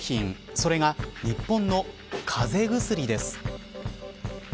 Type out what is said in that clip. それが、日本の風邪薬です。